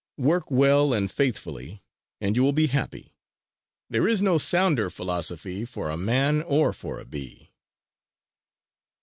Work well and faithfully and you will be happy. There is no sounder philosophy for a man or for a bee!"